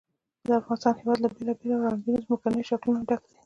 د افغانستان هېواد له بېلابېلو او رنګینو ځمکنیو شکلونو ډک دی.